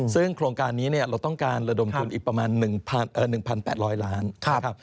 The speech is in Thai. ซึ่งโครงการนี้เราต้องการระดมทุนอีกประมาณ๑๘๐๐ล้านนะครับ